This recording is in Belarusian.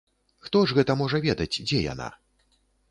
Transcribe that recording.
Хто ж гэта можа ведаць, дзе яна?